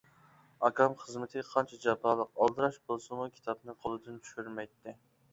ئاكام خىزمىتى قانچە جاپالىق، ئالدىراش بولسىمۇ كىتابنى قولدىن چۈشۈرمەيتتى.